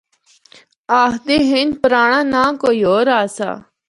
آخدے ہن پرانڑا ناں کوئی ہور آسا۔